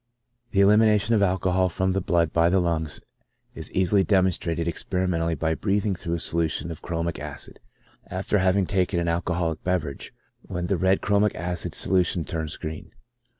The elimination of alcohol from the blood by the lungs is easily demonstrated experimentally by breathing through a solution of chromic acid, after having taken an alcoholic beverage, when the red chromic acid solution turns green.